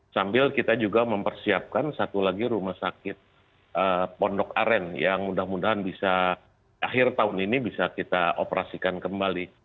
sambil kita juga mempersiapkan satu lagi rumah sakit pondok aren yang mudah mudahan bisa akhir tahun ini bisa kita operasikan kembali